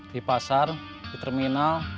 di pasar di terminal